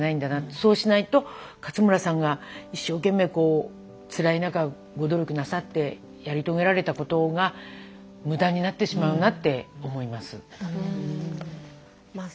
そうしないと勝村さんが一生懸命こうつらい中ご努力なさってやり遂げられたことが無駄になってしまうなって思います。